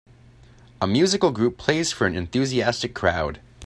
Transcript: A musical group plays for an enthusiastic crowd.